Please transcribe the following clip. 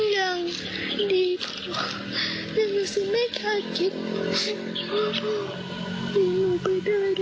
หย่อมินกีทดวห์พ่อตายจากนุกได้นาน